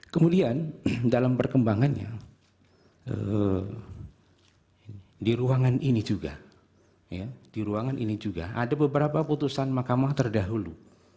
kemudian dalam perkembangannya di ruangan ini juga di ruangan ini juga ada beberapa putusan mahkamah terdahulu